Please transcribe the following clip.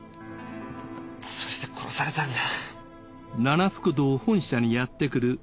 そして殺されたんだ。